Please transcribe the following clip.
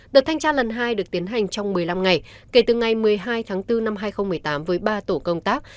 đợt thanh tra lần hai được tiến hành trong một mươi năm ngày kể từ ngày một mươi hai tháng bốn năm hai nghìn một mươi tám với ba tổ công tác